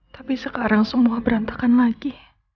tapi sekarang semua berantakan lagi